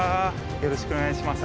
よろしくお願いします。